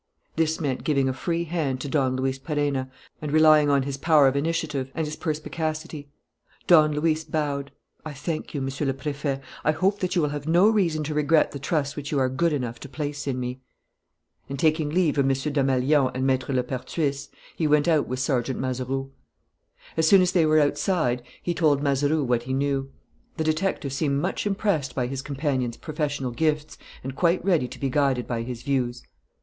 This meant giving a free hand to Don Luis Perenna and relying on his power of initiative and his perspicacity. Don Luis bowed: "I thank you, Monsieur le Préfet. I hope that you will have no reason to regret the trust which you are good enough to place in me." And, taking leave of M. Desmalions and Maître Lepertuis, he went out with Sergeant Mazeroux. As soon as they were outside, he told Mazeroux what he knew. The detective seemed much impressed by his companion's professional gifts and quite ready to be guided by his views.